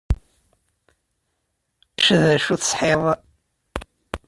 Ulac d acu i teshiḍ?